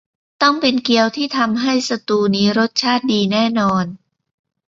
ต้องเป็นเกี๊ยวที่ทำให้สตูว์นี้รสชาติดีแน่นอน